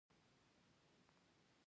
د شورابک بند په بدخشان کې دی